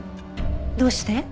どうして？